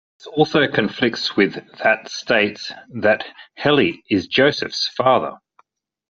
This also conflicts with that states that Heli is Joseph's father.